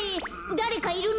だれかいるの？